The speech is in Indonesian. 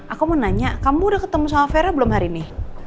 aku mau nanya kamu udah ketemu sama vera belum hari ini